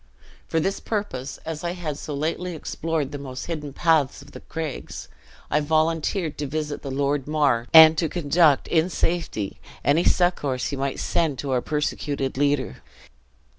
For this purpose, as I had so lately explored the most hidden paths of the craigs, I volunteered to visit the Lord Mar, and to conduct, in safety, any succors he might send to our persecuted leader."